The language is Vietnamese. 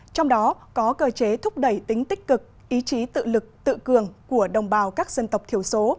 trong đó có cơ chế thúc đẩy tính tích cực ý chí tự lực tự cường của đồng bào các dân tộc thiểu số